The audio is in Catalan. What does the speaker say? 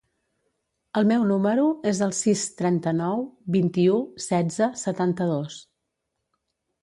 El meu número es el sis, trenta-nou, vint-i-u, setze, setanta-dos.